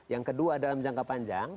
yang kedua dalam jangka panjang